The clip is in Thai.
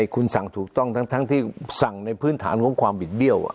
คุณสั่งถูกต้องทั้งที่สั่งในพื้นฐานของความบิดเบี้ยว